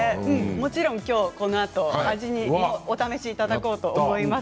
もちろんこのあと味をお試しいただこうと思います。